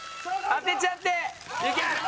当てちゃって。